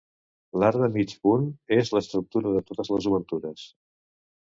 L'arc de mig punt és l'estructura de totes les obertures.